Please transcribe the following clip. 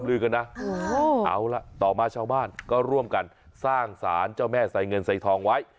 ลือกันนะเอาล่ะต่อมาชาวบ้านก็ร่วมกันสร้างสารเจ้าแม่ไซเงินไซทองไว้